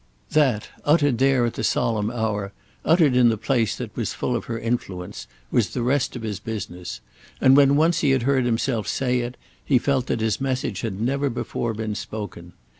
That, uttered there at the solemn hour, uttered in the place that was full of her influence, was the rest of his business; and when once he had heard himself say it he felt that his message had never before been spoken.